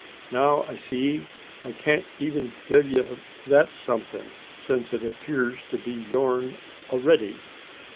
Now I see I can't even gi' ye that somethin' since it appears to be yourn a'ready.